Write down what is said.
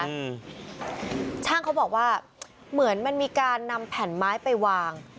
อืมช่างเขาบอกว่าเหมือนมันมีการนำแผ่นไม้ไปวาง